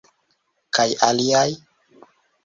Kaj aliaj?